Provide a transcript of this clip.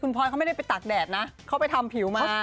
พลอยเขาไม่ได้ไปตากแดดนะเขาไปทำผิวมา